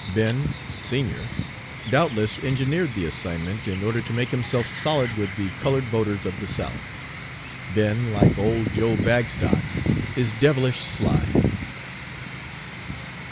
Ben, senior, doubtless engineered the assignment in order to make himself solid with the colored voters of the South. Ben, like old Joe Bagstock, is devilish sly."